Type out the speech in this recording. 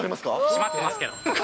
閉まってますけど。